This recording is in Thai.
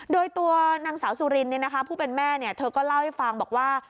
โดยตัวนางสาวสุรินเนี่ยนะคะผู้เป็นแม่เนี่ยเธอก็เล่าให้ฟังบอกว่า